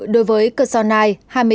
đối với cơ sở nai